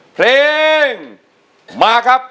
เพลงมาครับ